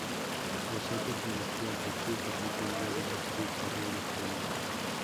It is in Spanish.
Posee tecnología Bluetooth, permite enviar y recibir correo electrónico.